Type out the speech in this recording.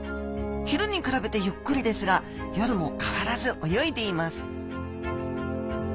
昼に比べてゆっくりですが夜も変わらず泳いでいます